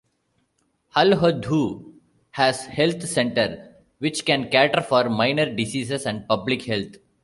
Holhudhoo has health center, which can cater for minor diseases and public health.